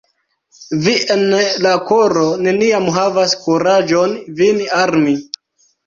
Vi en la koro neniam havas kuraĝon vin armi.